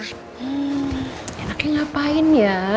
hmm enaknya ngapain ya